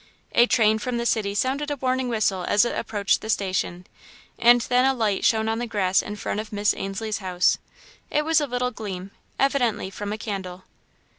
A train from the city sounded a warning whistle as it approached the station, and then a light shone on the grass in front of Miss Ainslie's house. It was a little gleam, evidently from a candle.